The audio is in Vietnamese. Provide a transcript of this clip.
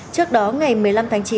trước đó ngày một mươi năm tháng chín